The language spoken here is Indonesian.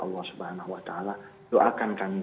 allah swt doakan kami